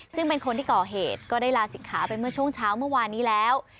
ซึ่งเป็นคนที่ก่อเหตุก็ได้ลาศิกขาไปเมื่อช่วงเช้าเมื่อวานนี้แล้ว